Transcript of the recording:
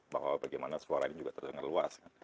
bahwa bagaimana suara ini juga terdengar luas